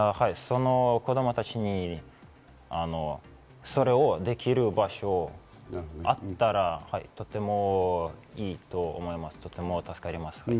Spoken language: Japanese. その子供たちにそれをできる場所があったら、とてもいいと思います、とても助かります。